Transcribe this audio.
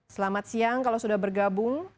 selamat siang kalau sudah bergabung